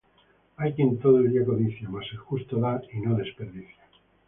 Hay quien todo el día codicia: Mas el justo da, y no desperdicia.